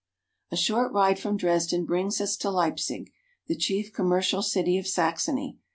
A short ride from Dresden brings us to Leipsig, the chief commercial city of Saxony.